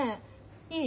いい？